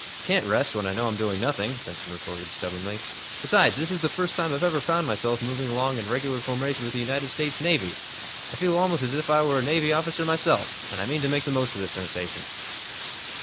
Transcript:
"Can't rest, when I know I'm doing nothing," Benson retorted, stubbornly. "Besides, this is the first time I've ever found myself moving along in regular formation with the United States Navy. I feel almost as if I were a Navy officer myself, and I mean to make the most of the sensation.